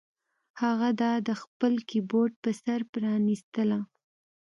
هغه دا د خپل کیبورډ په سر پرانیستله